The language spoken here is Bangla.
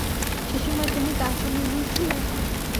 সে-সময় তুমি তার সামনে গিয়েছিলে?